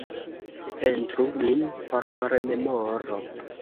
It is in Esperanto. Pentru min por rememoro.